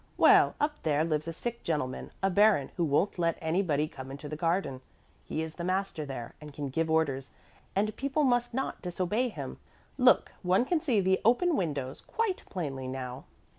Well, up there lives a sick gentleman, a baron, who won't let anybody come into the garden. He is the master there and can give orders, and people must not disobey him. Look, one can see the open windows quite plainly now."